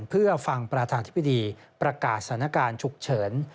เพื่อฟังประธานทฤษฎีประกาศสนาการฉุกเฉิน